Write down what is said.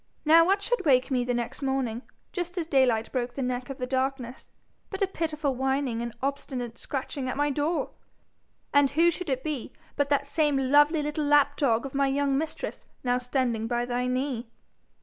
Now what should wake me the next morning, just as daylight broke the neck of the darkness, but a pitiful whining and obstinate scratching at my door! And who should it be but that same lovely little lapdog of my young mistress now standing by thy knee!